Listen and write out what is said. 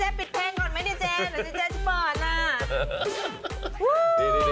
ดีเจ้ปิดเพลงก่อนไหมดีเจนเดี๋ยวดีเจ๊ไป